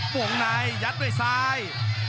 วงในยัดด้วยซ้าย